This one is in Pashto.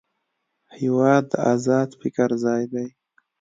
هېواد د ازاد فکر ځای دی.